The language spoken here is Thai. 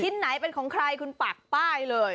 ไหนเป็นของใครคุณปากป้ายเลย